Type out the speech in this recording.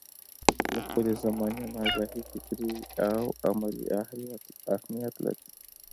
له خپلې زمانې نه اګاهي فکري او عملي اهميت لري.